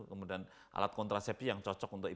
kemudian alat kontrasepsi yang cocok untuk